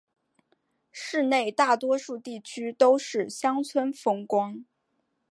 市内大多数地区都是乡村风光。